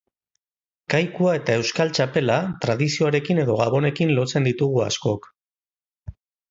Kaikua eta euskal txapela tradizioarekin edo gabonekin lotzen ditugu askok.